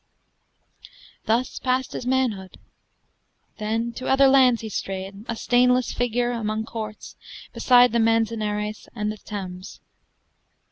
Thus passed his manhood; then to other lands He strayed, a stainless figure among courts Beside the Manzanares and the Thames.